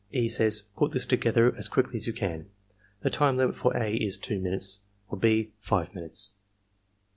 E. says, ^^PiU this together as quickly as you can.'' The time limit for (a) is two minutes, for (6) five winwfe^.